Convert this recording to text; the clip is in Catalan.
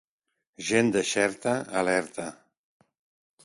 Gent de Xerta, alerta.